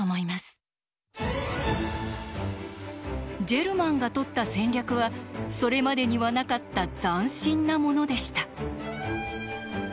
ジェルマンがとった戦略はそれまでにはなかった斬新なものでした。